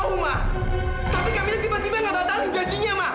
tapi kamila tiba tiba nggak batalkan janjinya ma